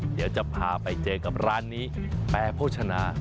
เดี๋ยวจะพาไปเจอกับร้านนี้แปรโภชนา